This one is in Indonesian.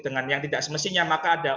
dengan yang tidak semestinya maka ada